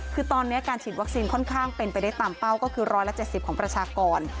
คือตอนนี้การฉีดวัคซีนค่อนข้างเป็นไปได้ตามเป้าก็คือ๑๗๐ของประชากร